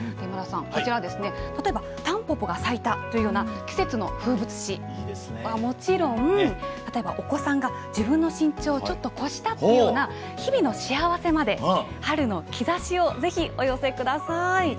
今田さん、こちらは例えば、タンポポが咲いたというような季節の風物詩はもちろん例えばお子さんが自分の身長をちょっと越したっていうような日々の幸せまで「春の兆し」をぜひお寄せください。